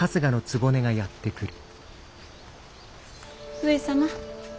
上様。